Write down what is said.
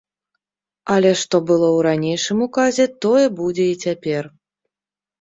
Але, што было ў ранейшым указе, тое будзе і цяпер.